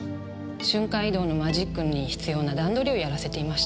瞬間移動のマジックに必要な段取りをやらせていました。